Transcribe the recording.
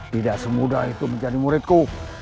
tidak semudah itu menjadi muridku